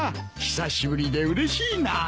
久しぶりでうれしいなあ。